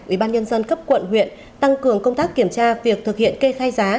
ubnd cấp quận huyện tăng cường công tác kiểm tra việc thực hiện kê khai giá